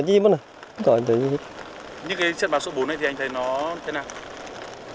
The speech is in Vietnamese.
như cái trên bảo số bốn này thì anh thấy nó thế nào